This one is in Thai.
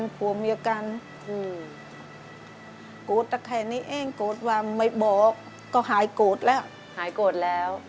โกรธแค่นี้เองโกรธว่าไม่บอกก็หายโกรธแล้ว